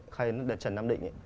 khai ấn đền trần nam định